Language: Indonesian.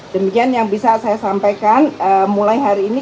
demikian yang bisa saya sampaikan mulai hari ini